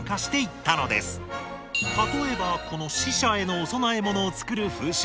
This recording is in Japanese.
例えばこの死者へのお供え物を作る風習。